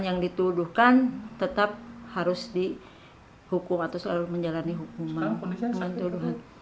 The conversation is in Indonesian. yang dituduhkan tetap harus dihukum atau selalu menjalani hukuman tuduhan